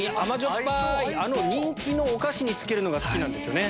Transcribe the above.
っぱいあの人気のお菓子につけるのが好きなんですよね。